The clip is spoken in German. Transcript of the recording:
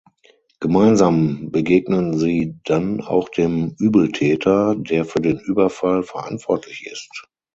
Gemeinsam begegnen sie dann auch dem Übeltäter, der für den Überfall verantwortlich ist.